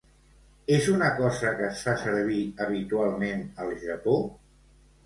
És una cosa que es fa servir habitualment al Japó?